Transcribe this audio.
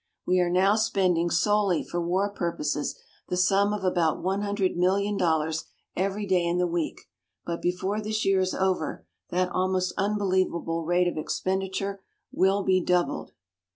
We are now spending, solely for war purposes, the sum of about one hundred million dollars every day in the week. But, before this year is over, that almost unbelievable rate of expenditure will be doubled.